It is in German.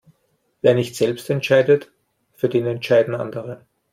Wer nicht selbst entscheidet, für den entscheiden andere.